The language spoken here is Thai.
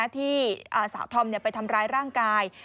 ที่สาวธอมไปทำร้ายร่างกาย